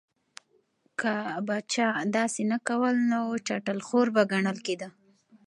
که به چا داسې نه کول نو چټل خور به ګڼل کېده.